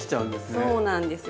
そうなんですよ。